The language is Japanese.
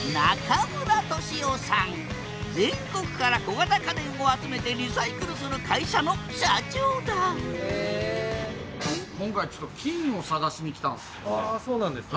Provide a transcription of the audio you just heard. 全国から小型家電を集めてリサイクルする会社の社長だあそうなんですか。